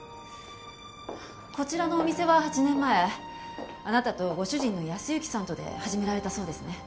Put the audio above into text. こちらのお店は８年前あなたとご主人の靖之さんとで始められたそうですね？